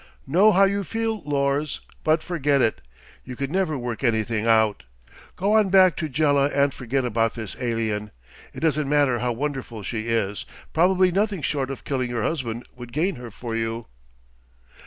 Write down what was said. "... know how you feel, Lors, but forget it. You could never work anything out. Go on back to Jela and forget about this alien. It doesn't matter how wonderful she is; probably nothing short of killing her husband would gain her for you."